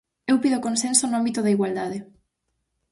Eu pido consenso no ámbito da igualdade.